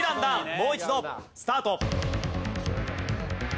もう一度スタート。